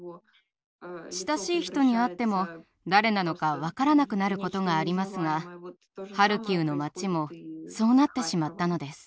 親しい人に会っても誰なのか分からなくなることがありますがハルキウの町もそうなってしまったのです。